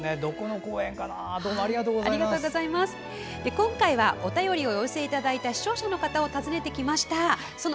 今回はお便りをお寄せいただいた視聴者の方を訪ねてきました。